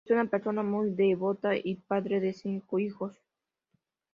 Es una persona muy devota y padre de cinco hijos.